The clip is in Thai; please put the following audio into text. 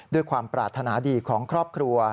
ด้วยความปรารถนาดีของครอบครัว